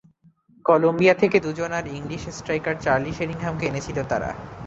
Colombia থেকে দুজন আর ইংলিশ স্ট্রাইকার চার্লি শেরিংহামকে এনেছিল তারা।